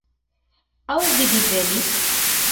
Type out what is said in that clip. Aŭ vi divenis?